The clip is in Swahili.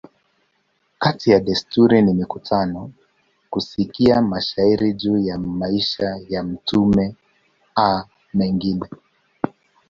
Kati ya desturi ni mikutano, kusikia mashairi juu ya maisha ya mtume a mengine.